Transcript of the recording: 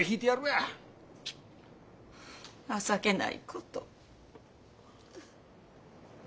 はあ情けないこと。